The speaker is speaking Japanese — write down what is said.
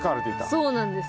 そうなんです。